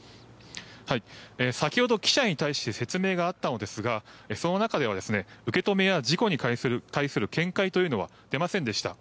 先ほど、記者に対して説明があったのですがその中では受け止めや事故に対する見解というのは出ませんでした。